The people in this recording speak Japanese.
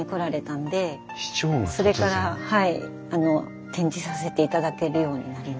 それからはい展示させていただけるようになりました。